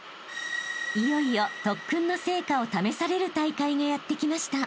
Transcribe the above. ［いよいよ特訓の成果を試される大会がやってきました］